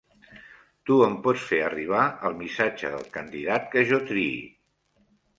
Tu em pots fer arribar el missatge del candidat que jo triï.